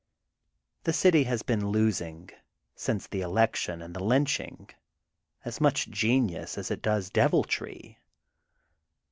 The city has been losing, since the election and the lynching, as much genius as it does deviltry.